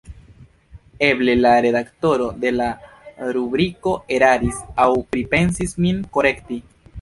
Eble la redaktoro de la rubriko eraris aŭ pripensis min korekti.